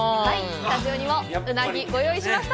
スタジオにも、うなぎ、ご用意しました！